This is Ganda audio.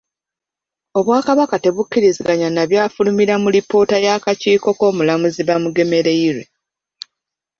Obwakabaka tebukkiriziganya na byafulumira mu lipoota y’akakiiko k’omulamuzi Bamugemereire.